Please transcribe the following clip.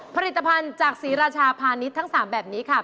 ผลิตภัณฑ์จากศรีราชาพาณิชย์ทั้ง๓แบบนี้ค่ะ